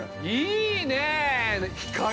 いいねえ！